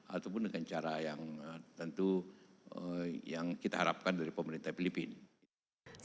ataupun dengan cara yang tentu yang kita harapkan dari pemerintah filipina